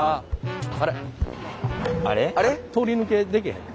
あれ通り抜けできへん。